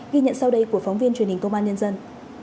ghi nhận sau đây của phóng viên truyền hình công an nhân dân